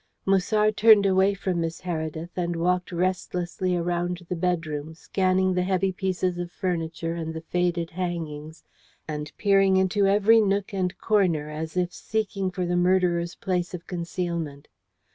Musard turned away from Miss Heredith, and walked restlessly around the bedroom, scanning the heavy pieces of furniture and the faded hangings, and peering into every nook and corner, as if seeking for the murderer's place of concealment.